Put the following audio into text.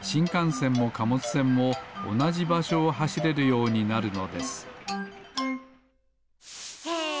せんもかもつせんもおなじばしょをはしれるようになるのですへえ！